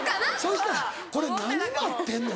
そしたらこれ何待ってんの？